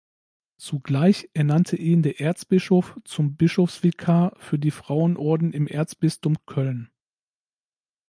Zugleich ernannte ihn der Erzbischof zum Bischofsvikar für die Frauenorden im Erzbistum Köln.